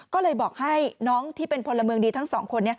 ก็เลยบอกให้น้องที่เป็นพลเมืองดีทั้งสองคน